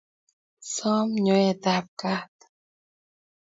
som nyoet ab kaat